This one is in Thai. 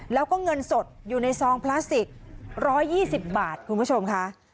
แล้วก็เงินสดอยู่ในซองพลาสติก๑๒๐บาทคุณผู้ชมค่ะ